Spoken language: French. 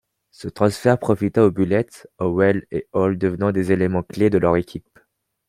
Ce transfert profita aux Bullets, Howell et Ohl devenant des éléments-clé de leur équipe.